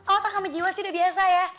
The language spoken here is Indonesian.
otak sama jiwa sih udah biasa ya